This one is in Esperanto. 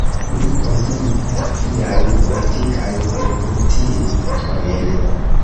Ni konvinku viajn politikajn deputitojn!